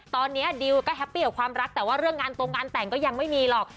ตอนนี้ดิวก็แฮปปี้กับความรักแต่ว่าเรื่องงานตรงงานแต่งก็ยังไม่มีหรอก